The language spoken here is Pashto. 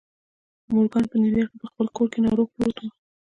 مورګان په نيويارک کې په خپل کور کې ناروغ پروت و.